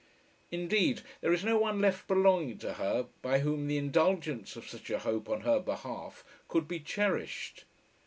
Indeed, there is no one left belonging to her by whom the indulgence of such a hope on her behalf could be cherished.